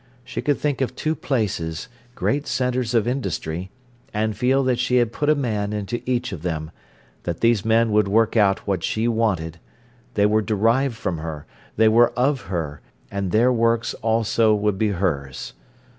She could think of two places, great centres of industry, and feel that she had put a man into each of them, that these men would work out what she wanted; they were derived from her, they were of her, and their works also would be hers.